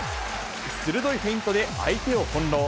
鋭いフェイントで相手をほんろう。